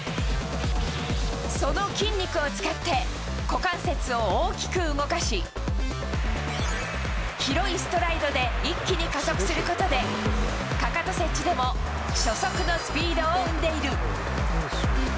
その筋肉を使って、股関節を大きく動かし、広いストライドで一気に加速することで、かかと接地でも初速のスピードを生んでいる。